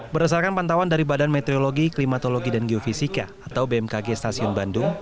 berdasarkan pantauan dari badan meteorologi klimatologi dan geofisika atau bmkg stasiun bandung